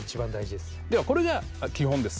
ではこれが基本です。